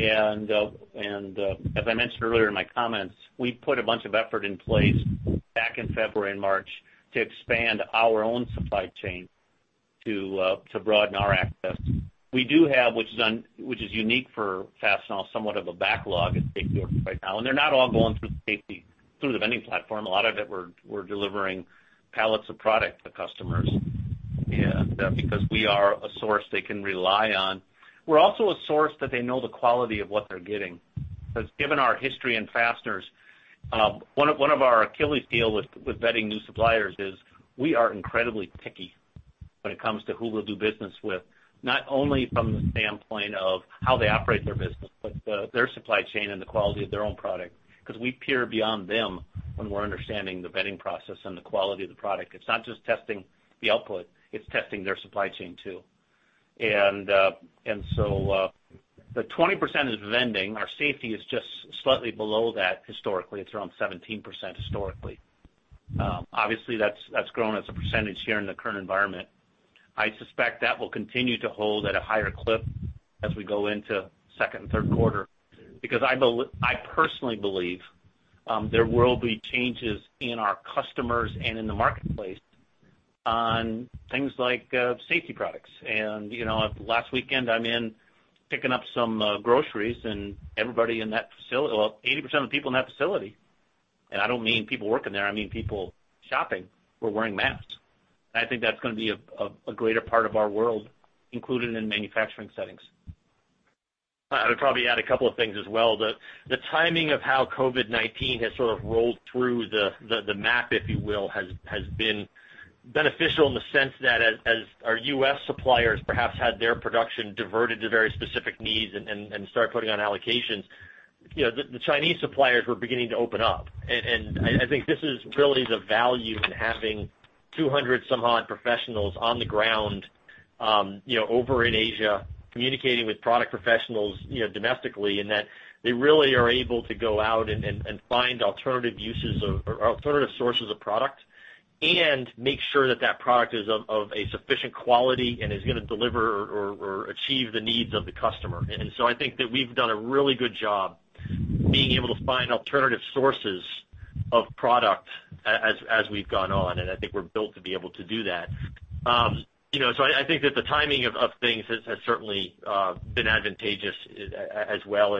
C: As I mentioned earlier in my comments, we put a bunch of effort in place back in February and March to expand our own supply chain to broaden our access. We do have, which is unique for Fastenal, somewhat of a backlog in safety orders right now, and they're not all going through the vending platform. A lot of it, we're delivering pallets of product to customers because we are a source they can rely on. We're also a source that they know the quality of what they're getting. Given our history in fasteners, one of our Achilles' heel with vetting new suppliers is we are incredibly picky when it comes to who we'll do business with, not only from the standpoint of how they operate their business, but their supply chain and the quality of their own product. We peer beyond them when we're understanding the vetting process and the quality of the product. It's not just testing the output, it's testing their supply chain, too. The 20% is vending. Our safety is just slightly below that historically. It's around 17% historically. Obviously, that's grown as a percentage here in the current environment. I suspect that will continue to hold at a higher clip as we go into second and third quarter, because I personally believe, there will be changes in our customers and in the marketplace on things like safety products. Last weekend, I'm in picking up some groceries and everybody in that facility, well, 80% of the people in that facility, and I don't mean people working there, I mean people shopping, were wearing masks. I think that's going to be a greater part of our world, including in manufacturing settings.
D: I would probably add a couple of things as well. The timing of how COVID-19 has sort of rolled through the map, if you will, has been beneficial in the sense that as our U.S. suppliers perhaps had their production diverted to very specific needs and started putting on allocations, the Chinese suppliers were beginning to open up. I think this is really the value in having 200 some odd professionals on the ground over in Asia, communicating with product professionals domestically, in that they really are able to go out and find alternative uses of, or alternative sources of product and make sure that that product is of a sufficient quality and is going to deliver or achieve the needs of the customer. I think that we've done a really good job being able to find alternative sources of product as we've gone on, and I think we're built to be able to do that. I think that the timing of things has certainly been advantageous as well.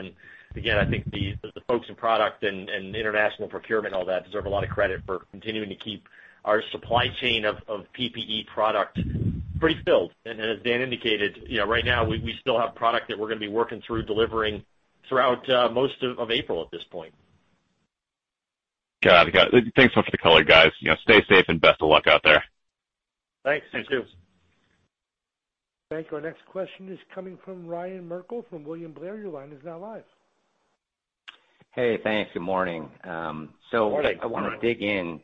D: Again, I think the folks in product and international procurement, all that, deserve a lot of credit for continuing to keep our supply chain of PPE product pretty filled. As Dan indicated, right now, we still have product that we're going to be working through delivering throughout most of April at this point.
G: Got it. Thanks so much for the color, guys. Stay safe and best of luck out there.
C: Thanks. You too.
D: Thanks.
A: Thank you. Our next question is coming from Ryan Merkel from William Blair. Your line is now live.
H: Hey, thanks. Good morning.
C: Morning.
D: Morning.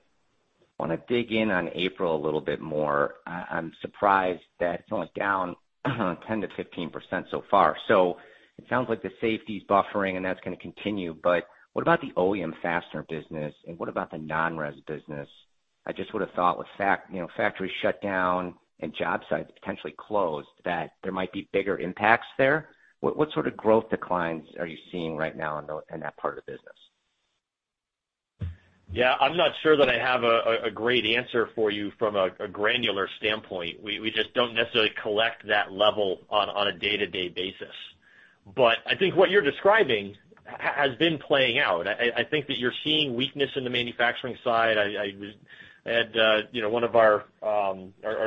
H: I want to dig in on April a little bit more. I'm surprised that it's only down 10%-15% so far. It sounds like the safety is buffering, and that's going to continue. What about the OEM fastener business, and what about the non-res business? I just would've thought with factories shut down and job sites potentially closed, that there might be bigger impacts there. What sort of growth declines are you seeing right now in that part of the business?
D: I'm not sure that I have a great answer for you from a granular standpoint. We just don't necessarily collect that level on a day-to-day basis. I think what you're describing has been playing out. I think that you're seeing weakness in the manufacturing side. One of our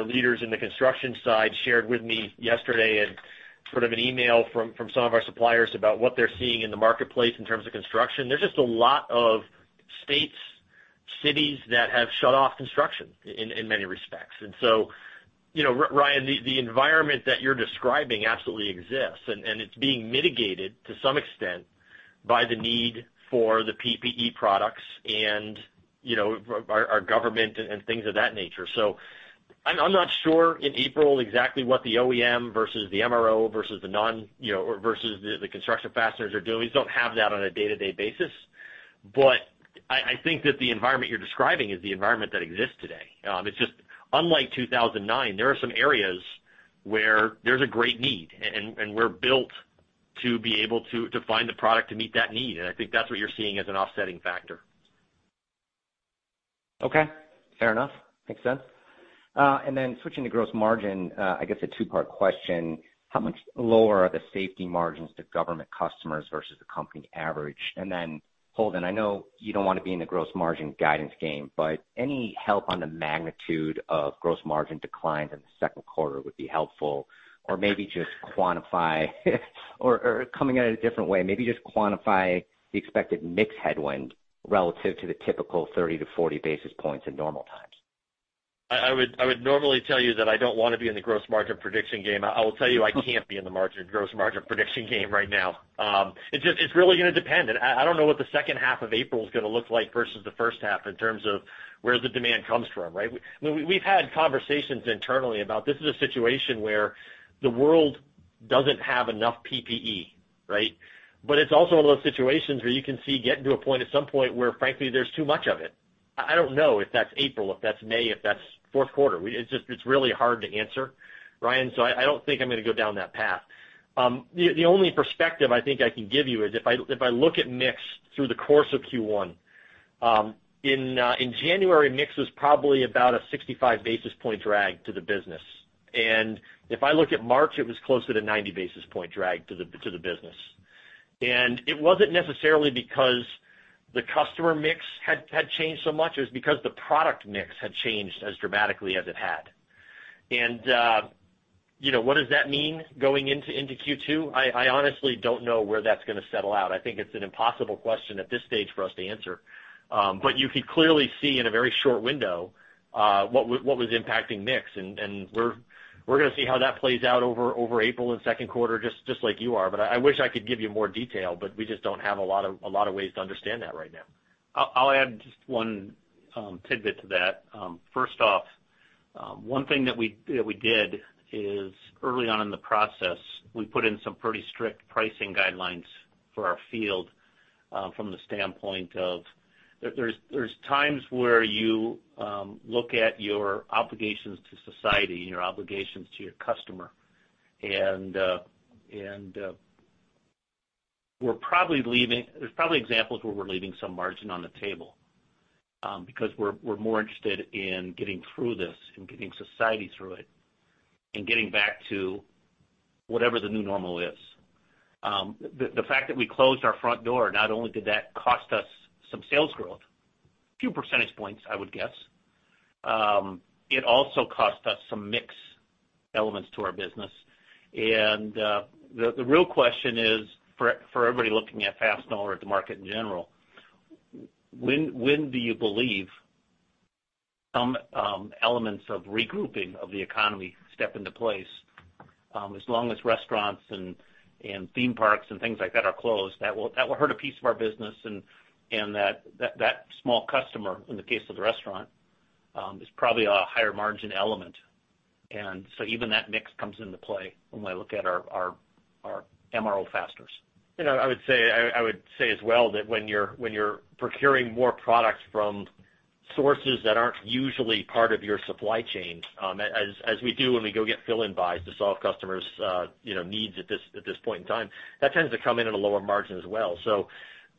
D: leaders in the construction side shared with me yesterday in sort of an email from some of our suppliers about what they're seeing in the marketplace in terms of construction. There's just a lot of states, cities that have shut off construction in many respects. Ryan, the environment that you're describing absolutely exists, and it's being mitigated to some extent by the need for the PPE products and our government and things of that nature. I'm not sure in April exactly what the OEM versus the MRO versus the construction fasteners are doing. We just don't have that on a day-to-day basis. I think that the environment you're describing is the environment that exists today. It's just, unlike 2009, there are some areas where there's a great need, and we're built to be able to find the product to meet that need. I think that's what you're seeing as an offsetting factor.
H: Okay. Fair enough. Makes sense. Then switching to gross margin, I guess a two-part question, how much lower are the safety margins to government customers versus the company average? Then, Holden, I know you don't want to be in the gross margin guidance game, but any help on the magnitude of gross margin declines in the second quarter would be helpful. Maybe just quantify or coming at it a different way, maybe just quantify the expected mix headwind relative to the typical 30-40 basis points in normal times.
D: I would normally tell you that I don't want to be in the gross margin prediction game. I will tell you I can't be in the gross margin prediction game right now. It's really going to depend. I don't know what the second half of April's going to look like versus the first half in terms of where the demand comes from, right? We've had conversations internally about this is a situation where the world doesn't have enough PPE, right? It's also one of those situations where you can see getting to a point at some point where frankly there's too much of it. I don't know if that's April, if that's May, if that's fourth quarter. It's really hard to answer, Ryan, so I don't think I'm going to go down that path. The only perspective I think I can give you is if I look at mix through the course of Q1. In January, mix was probably about a 65 basis point drag to the business. If I look at March, it was closer to 90 basis point drag to the business. It wasn't necessarily because the customer mix had changed so much, it was because the product mix had changed as dramatically as it had. What does that mean going into Q2? I honestly don't know where that's going to settle out. I think it's an impossible question at this stage for us to answer. You could clearly see in a very short window, what was impacting mix. We're going to see how that plays out over April and second quarter, just like you are. I wish I could give you more detail, but we just don't have a lot of ways to understand that right now.
C: I'll add just one tidbit to that. First off, one thing that we did is early on in the process, we put in some pretty strict pricing guidelines for our field, from the standpoint of there's times where you look at your obligations to society and your obligations to your customer. There's probably examples where we're leaving some margin on the table, because we're more interested in getting through this and getting society through it and getting back to whatever the new normal is. The fact that we closed our front door, not only did that cost us some sales growth, a few percentage points, I would guess. It also cost us some mix elements to our business. The real question is for everybody looking at Fastenal or at the market in general, when do you believe some elements of regrouping of the economy step into place? As long as restaurants and theme parks and things like that are closed, that will hurt a piece of our business and that small customer, in the case of the restaurant, is probably a higher margin element. Even that mix comes into play when we look at our MRO fasteners.
D: I would say as well that when you're procuring more products from sources that aren't usually part of your supply chain, as we do when we go get fill-in buys to solve customers' needs at this point in time, that tends to come in at a lower margin as well.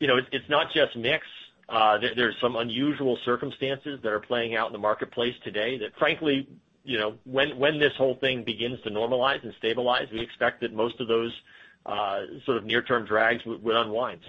D: It's not just mix. There's some unusual circumstances that are playing out in the marketplace today that frankly, when this whole thing begins to normalize and stabilize, we expect that most of those sort of near-term drags would unwind.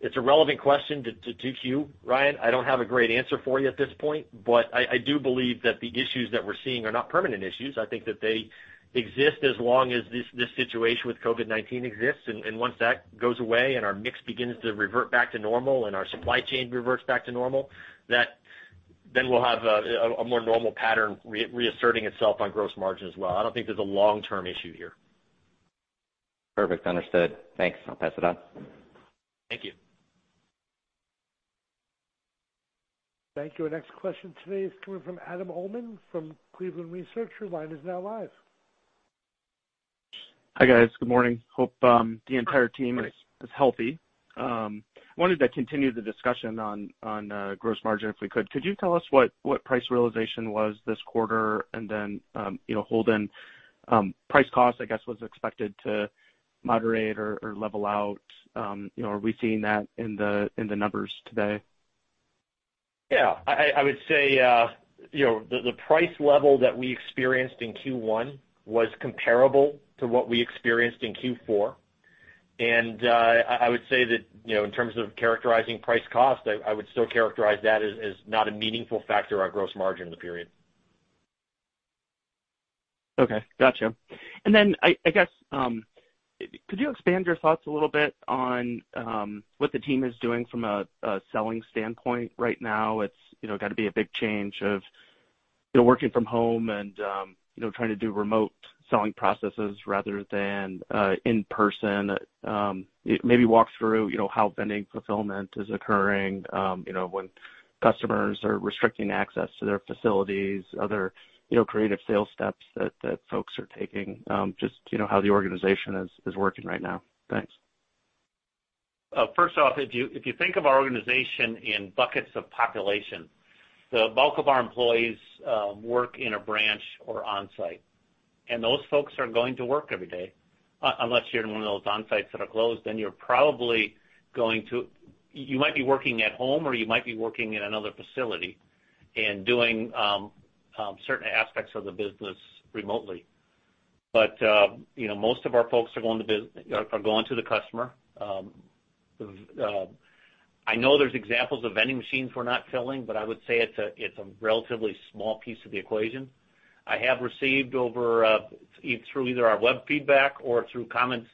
D: It's a relevant question to cue, Ryan. I don't have a great answer for you at this point, but I do believe that the issues that we're seeing are not permanent issues. I think that they exist as long as this situation with COVID-19 exists. Once that goes away and our mix begins to revert back to normal and our supply chain reverts back to normal, then we'll have a more normal pattern reasserting itself on gross margin as well. I don't think there's a long-term issue here.
H: Perfect. Understood. Thanks. I'll pass it on.
D: Thank you.
A: Thank you. Our next question today is coming from Adam Uhlman from Cleveland Research. Your line is now live.
I: Hi, guys. Good morning. Hope the entire team is healthy. I wanted to continue the discussion on gross margin, if we could. Could you tell us what price realization was this quarter? Holden, price cost, I guess, was expected to moderate or level out. Are we seeing that in the numbers today?
D: Yeah. I would say the price level that we experienced in Q1 was comparable to what we experienced in Q4. I would say that in terms of characterizing price cost, I would still characterize that as not a meaningful factor on gross margin in the period.
I: Okay. Got you. I guess, could you expand your thoughts a little bit on what the team is doing from a selling standpoint right now? It's got to be a big change of working from home and trying to do remote selling processes rather than in-person. Maybe walk through how vending fulfillment is occurring when customers are restricting access to their facilities, other creative sales steps that folks are taking, just how the organization is working right now? Thanks.
C: First off, if you think of our organization in buckets of population, the bulk of our employees work in a branch or on-site. Those folks are going to work every day. Unless you're in one of those on-sites that are closed, then you might be working at home, or you might be working in another facility and doing certain aspects of the business remotely. Most of our folks are going to the customer. I know there's examples of vending machines we're not filling, but I would say it's a relatively small piece of the equation. I have received through either our web feedback or through comments,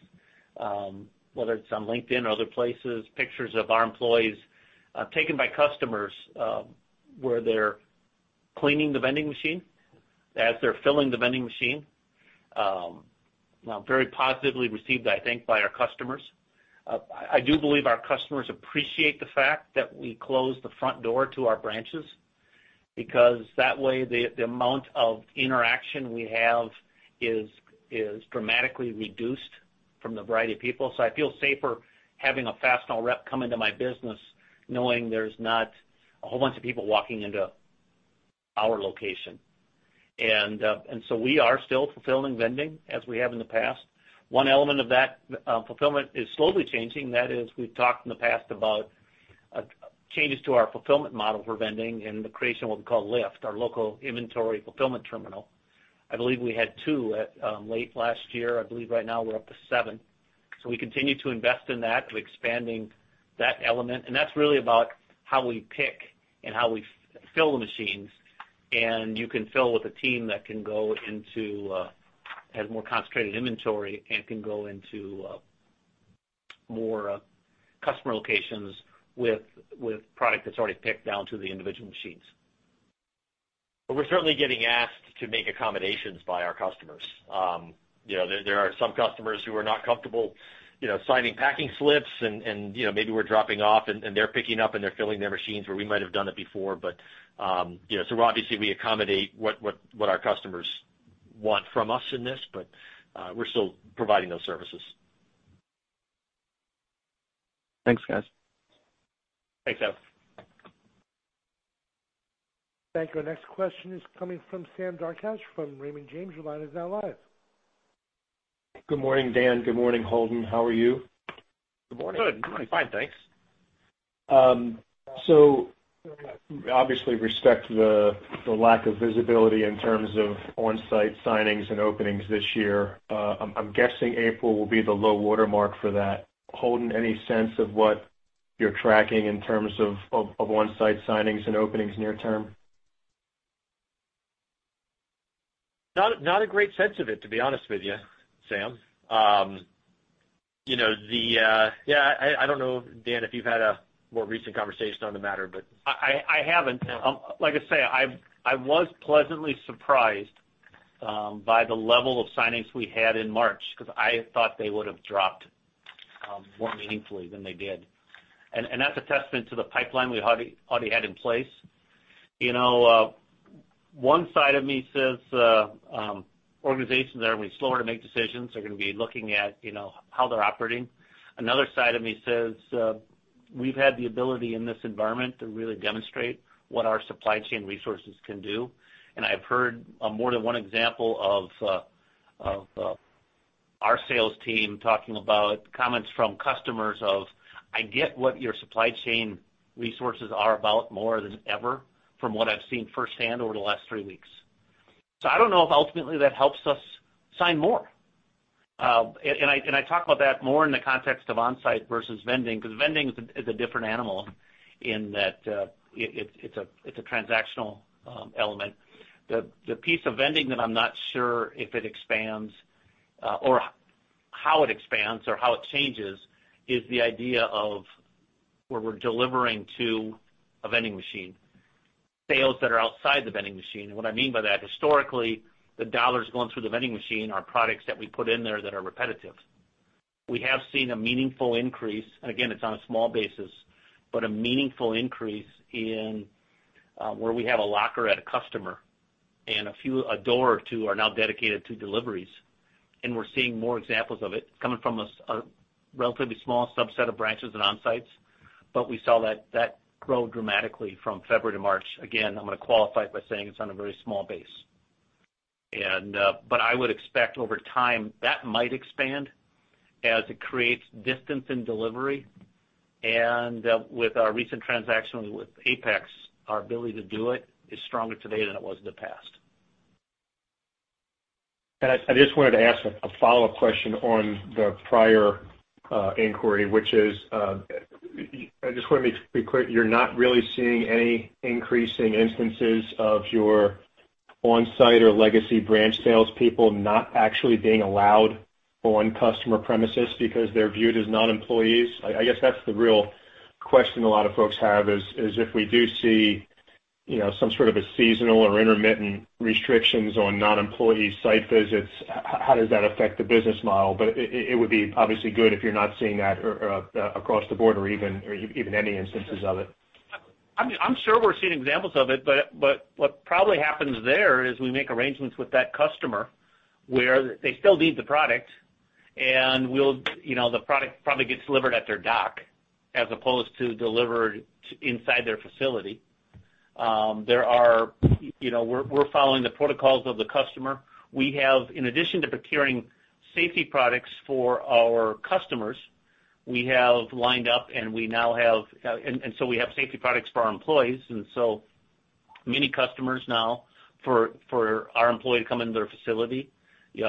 C: whether it's on LinkedIn or other places, pictures of our employees taken by customers, where they're cleaning the vending machine, as they're filling the vending machine. Very positively received, I think, by our customers. I do believe our customers appreciate the fact that we closed the front door to our branches, because that way, the amount of interaction we have is dramatically reduced from the variety of people. I feel safer having a Fastenal rep come into my business knowing there's not a whole bunch of people walking into our location. We are still fulfilling vending as we have in the past. One element of that fulfillment is slowly changing. That is, we've talked in the past about changes to our fulfillment model for vending and the creation of what we call LIFT, our Local Inventory Fulfillment Terminal. I believe we had two late last year. I believe right now we're up to seven. We continue to invest in that, to expanding that element. That's really about how we pick and how we fill the machines. You can fill with a team that has more concentrated inventory and can go into more customer locations with product that's already picked down to the individual machines. We're certainly getting asked to make accommodations by our customers. There are some customers who are not comfortable signing packing slips, and maybe we're dropping off, and they're picking up, and they're filling their machines, where we might have done it before. Obviously we accommodate what our customers want from us in this, but we're still providing those services.
I: Thanks, guys.
C: Thanks, Adam.
A: Thank you. Our next question is coming from Sam Darkatsh from Raymond James. Your line is now live.
J: Good morning, Dan. Good morning, Holden. How are you?
D: Good morning. Good morning. Fine, thanks.
J: Obviously respect the lack of visibility in terms of on-site signings and openings this year. I'm guessing April will be the low watermark for that. Holden, any sense of what you're tracking in terms of on-site signings and openings near term?
D: Not a great sense of it, to be honest with you, Sam. I don't know, Dan, if you've had a more recent conversation on the matter.
C: I haven't. Like I say, I was pleasantly surprised by the level of signings we had in March, because I thought they would've dropped more meaningfully than they did. That's a testament to the pipeline we already had in place. One side of me says, organizations that are going to be slower to make decisions are going to be looking at how they're operating. Another side of me says, we've had the ability in this environment to really demonstrate what our supply chain resources can do. I've heard more than one example of our sales team talking about comments from customers of, "I get what your supply chain resources are about more than ever from what I've seen firsthand over the last three weeks." I don't know if ultimately that helps us sign more. I talk about that more in the context of on-site versus vending, because vending is a different animal in that it's a transactional element. The piece of vending that I'm not sure if it expands or how it expands or how it changes is the idea of where we're delivering to a vending machine. Sales that are outside the vending machine. What I mean by that, historically, the dollars going through the vending machine are products that we put in there that are repetitive. We have seen a meaningful increase, and again, it's on a small basis, but a meaningful increase in where we have a locker at a customer and a door or two are now dedicated to deliveries. We're seeing more examples of it coming from a relatively small subset of branches and on-sites. We saw that grow dramatically from February to March. I'm going to qualify it by saying it's on a very small base. I would expect over time, that might expand as it creates distance in delivery. With our recent transaction with Apex, our ability to do it is stronger today than it was in the past.
J: I just wanted to ask a follow-up question on the prior inquiry, which is, I just want to be clear, you're not really seeing any increase in instances of your on-site or legacy branch salespeople not actually being allowed on customer premises because they're viewed as non-employees? I guess that's the real question a lot of folks have is if we do see some sort of a seasonal or intermittent restrictions on non-employee site visits, how does that affect the business model? It would be obviously good if you're not seeing that across the board or even any instances of it.
C: I'm sure we're seeing examples of it, but what probably happens there is we make arrangements with that customer where they still need the product, and the product probably gets delivered at their dock as opposed to delivered inside their facility. We're following the protocols of the customer. We have, in addition to procuring safety products for our customers, we have lined up, and so we have safety products for our employees. Many customers now, for our employee to come into their facility, there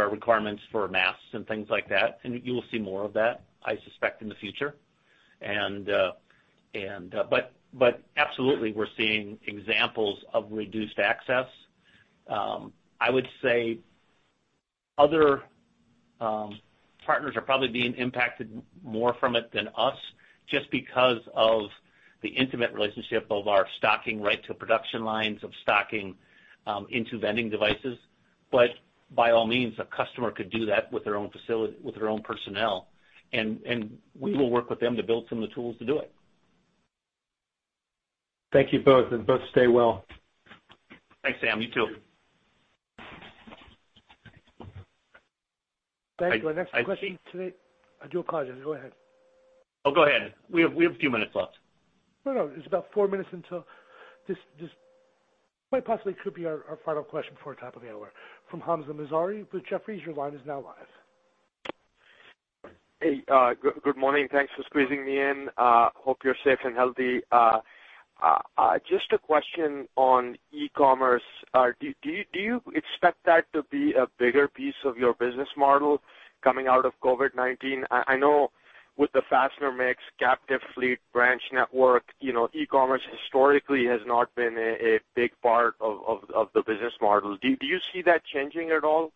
C: are requirements for masks and things like that, and you will see more of that, I suspect, in the future. Absolutely, we're seeing examples of reduced access. I would say other partners are probably being impacted more from it than us just because of the intimate relationship of our stocking right to production lines, of stocking into vending devices. By all means, a customer could do that with their own personnel, and we will work with them to build some of the tools to do it.
J: Thank you both, and both stay well.
C: Thanks, Sam. You, too.
A: Back to our next question today. I do apologize. Go ahead.
C: Oh, go ahead. We have a few minutes left.
A: No, it's about four minutes until. This quite possibly could be our final question before top of the hour. From Hamzah Mazari with Jefferies, your line is now live.
K: Hey, good morning. Thanks for squeezing me in. Hope you're safe and healthy. Just a question on e-commerce. Do you expect that to be a bigger piece of your business model coming out of COVID-19? I know with the fastener mix, captive fleet, branch network, e-commerce historically has not been a big part of the business model. Do you see that changing at all?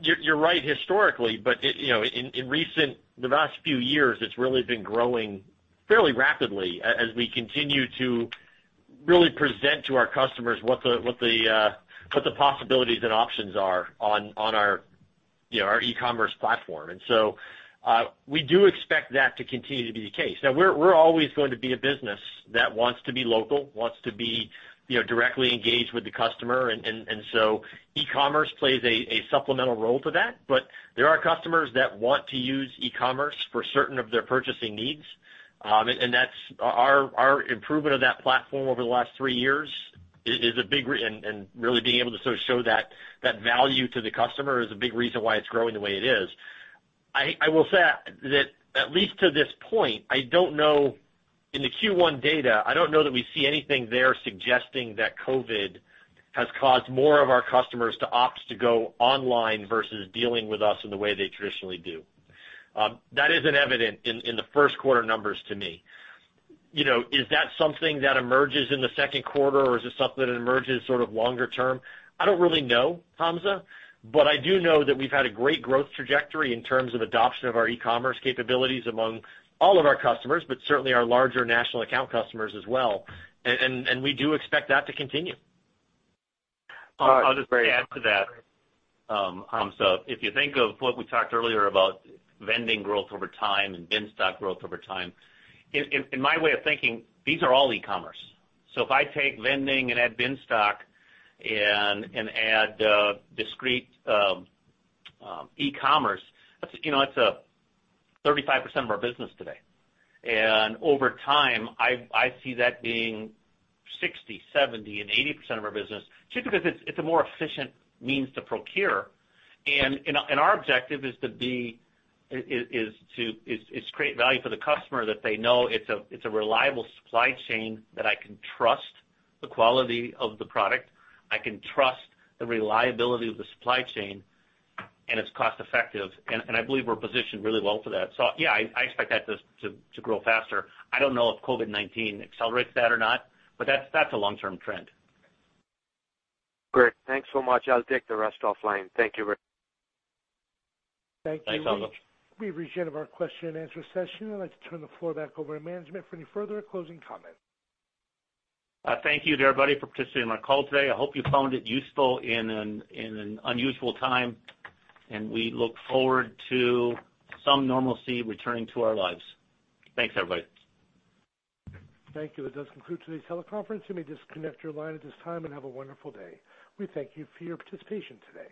D: You're right historically, but in the last few years, it's really been growing fairly rapidly as we continue to really present to our customers what the possibilities and options are on our e-commerce platform. We do expect that to continue to be the case. Now, we're always going to be a business that wants to be local, wants to be directly engaged with the customer, and so e-commerce plays a supplemental role to that. There are customers that want to use e-commerce for certain of their purchasing needs. Our improvement of that platform over the last three years and really being able to show that value to the customer is a big reason why it's growing the way it is. I will say that at least to this point, in the Q1 data, I don't know that we see anything there suggesting that COVID has caused more of our customers to opt to go online versus dealing with us in the way they traditionally do. That isn't evident in the first quarter numbers to me. Is that something that emerges in the second quarter, or is this something that emerges sort of longer term? I don't really know, Hamzah, but I do know that we've had a great growth trajectory in terms of adoption of our e-commerce capabilities among all of our customers, but certainly our larger national account customers as well. And we do expect that to continue.
K: All right. Great.
C: I'll just add to that, Hamzah. If you think of what we talked earlier about vending growth over time and bin stock growth over time, in my way of thinking, these are all e-commerce. If I take vending and add bin stock and add discrete e-commerce, that's 35% of our business today. Over time, I see that being 60%, 70%, and 80% of our business, simply because it's a more efficient means to procure. Our objective is to create value for the customer that they know it's a reliable supply chain that I can trust the quality of the product, I can trust the reliability of the supply chain, and it's cost effective. I believe we're positioned really well for that. Yeah, I expect that to grow faster. I don't know if COVID-19 accelerates that or not, but that's a long-term trend.
K: Great. Thanks so much. I'll take the rest offline. Thank you very much.
C: Thanks, Hamzah.
A: Thank you. We've reached the end of our question and answer session. I'd like to turn the floor back over to management for any further closing comments.
C: Thank you to everybody for participating in our call today. I hope you found it useful in an unusual time, and we look forward to some normalcy returning to our lives. Thanks, everybody.
A: Thank you. That does conclude today's teleconference. You may disconnect your line at this time, and have a wonderful day. We thank you for your participation today.